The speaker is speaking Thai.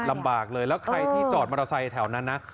ลำบากเลยแล้วใครที่จอดมอเตอร์ไซค์แถวนั้นนะ